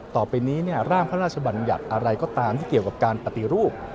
ต่อไปนี้ร่างพระราชบัญญัติอะไรก็ตามที่เกี่ยวกับการปฏิรูป